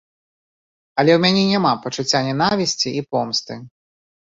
Але ў мяне няма пачуцця нянавісці і помсты.